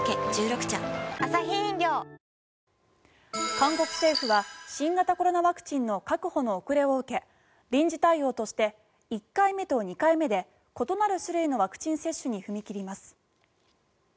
韓国政府は新型コロナワクチンの確保の遅れを受け臨時対応として１回目と２回目で異なる種類のワクチン接種に踏み切ります。